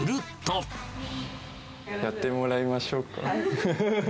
やってもらいましょうか。